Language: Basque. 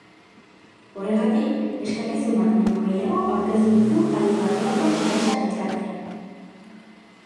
Horregatik, eskakizun bat baino gehiago aurkeztu ditu aldi baterako enpresa-elkarteak.